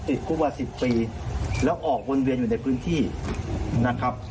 ติดคุกมา๑๐ปีแล้วออกวนเวียนอยู่ในพื้นที่นะครับ